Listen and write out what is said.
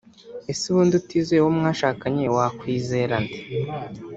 Ese ubundi utizeye uwo mwashakanye wakwizera nde